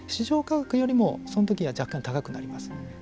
ただ、市場価格よりもそのときには若干高くなります。